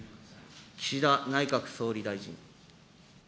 岸田内閣総理大臣。